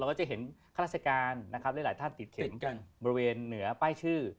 ก็จะเห็นข้าราชการนะครับหลายท่านติดเข็มบริเวณเหนือป้ายชื่อ